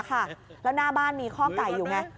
แล้วหน้าบ้านมีข้อไก่อยู่ไง